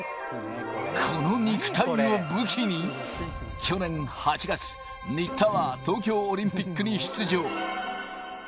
この肉体を武器に、去年８月、新田は東京オリンピックに出場。